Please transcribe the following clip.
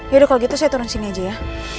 yaudah kalau gitu saya turun sini aja ya